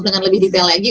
dengan lebih detail lagi